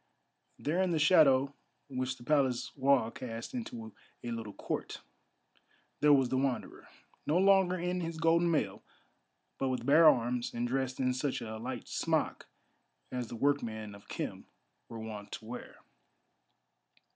There, in the shadow which the Palace wall cast into a little court, there was the Wanderer; no longer in his golden mail, but with bare arms, and dressed in such a light smock as the workmen of Khem were wont to wear.